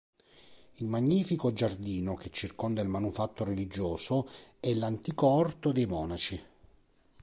Il magnifico giardino che circonda il manufatto religioso, è l'antico orto dei monaci.